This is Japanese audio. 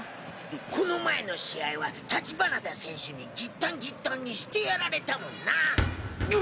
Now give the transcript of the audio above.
この前の試合は橘田選手にぎったんぎったんにしてやられたもんな。